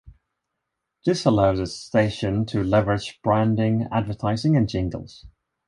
This allowed the station to leverage branding, advertising, and jingles.